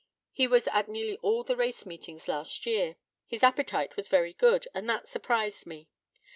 He was at nearly all the race meetings last year. His appetite was very good, and that surprised me.